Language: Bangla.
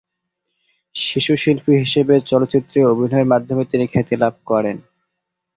শিশুশিল্পী হিসেবে চলচ্চিত্রে অভিনয়ের মাধ্যমে তিনি খ্যাতি লাভ করেন।